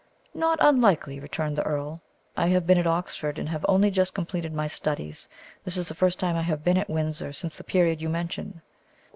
"Not unlikely," returned the earl. "I have been at Oxford, and have only just completed my studies. This is the first time I have been at Windsor since the period you mention."